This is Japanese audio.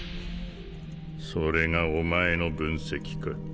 それがお前の分析か。